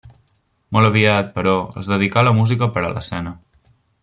Molt aviat, però, es dedicà a la música per a l'escena.